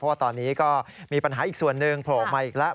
เพราะว่าตอนนี้ก็มีปัญหาอีกส่วนหนึ่งโผล่ออกมาอีกแล้ว